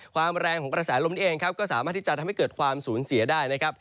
แรงของกระแสลมเองครับก็สามารถที่จะทำให้เกิดความสูญเสียได้นะครับ